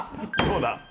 どうだ？